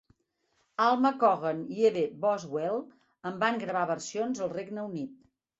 Alma Cogan i Eve Boswell en van gravar versions al Regne Unit.